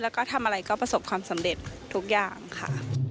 แล้วก็ทำอะไรก็ประสบความสำเร็จทุกอย่างค่ะ